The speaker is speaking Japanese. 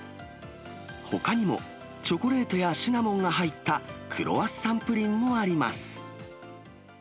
ほかにも、チョコレートやシナモンが入ったクロワッサンプリンもあります。